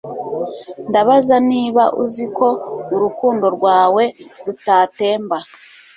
Ndabaza niba uzi ko urukundo rwawe rutatemba